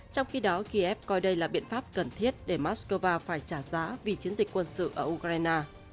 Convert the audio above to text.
trong khi đó kiev coi đây là biện pháp cần thiết để moscow phải trả giá vì chiến dịch quân sự ở ukraine